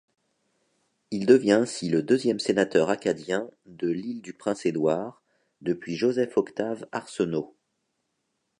Il devient ainsi le deuxième sénateur acadien de l'Île-du-Prince-Édouard depuis Joseph-Octave Arsenault.